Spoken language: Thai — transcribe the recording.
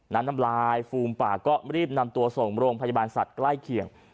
น้ำน้ำลายฟูมปากก็รีบนำตัวส่งโรงพยาบาลสัตว์ใกล้เคียง